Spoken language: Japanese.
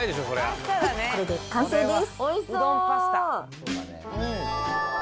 これで完成です。